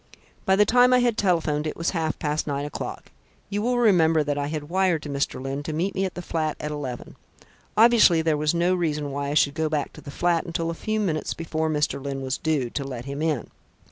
"By the time I had telephoned it was half past nine o'clock. You will remember that I had wired to Mr. Lyne to meet me at the flat at eleven. Obviously there was no reason why I should go back to the flat until a few minutes before Mr. Lyne was due, to let him in.